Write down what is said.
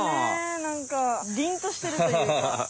なんかりんとしてるというか。